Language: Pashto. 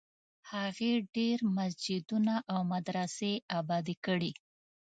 هغې ډېر مسجدونه او مدرسې ابادي کړې.